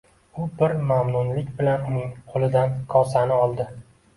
U bir mamnunlik bilan uning qoʻlidan kosani oldi.